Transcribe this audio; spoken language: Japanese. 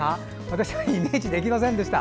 私はイメージできませんでした。